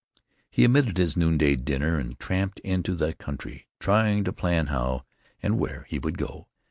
He omitted his noonday dinner and tramped into the country, trying to plan how and where he would go.